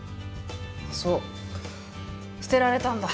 そう捨てられたんだ？